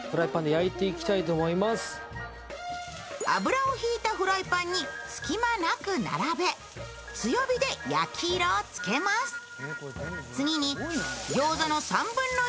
油をひいたフライパンに隙間なく並べ強火で焼き色をつけます。